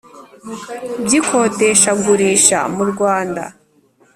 By ikodeshagurisha mu rwanda